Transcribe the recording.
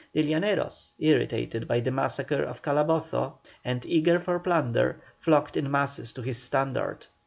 The Llaneros, irritated by the massacre of Calabozo, and eager for plunder, flocked in masses to his standard.